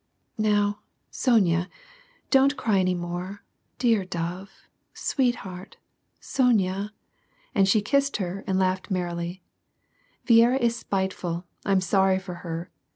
" Now, Sonya, don't cry any more, dear dove, sweetheart, Sonya," and she kissed her, and laughed merrily ;" Viera is spiteful, I'm sorry for her